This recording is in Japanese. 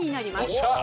おっしゃ！